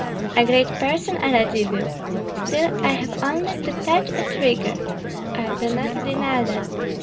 A great person a Radzivill! Still I have only to touch a trigger." "I do not deny that.